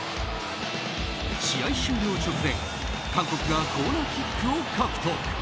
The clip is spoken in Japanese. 試合終了直前韓国がコーナーキックを獲得。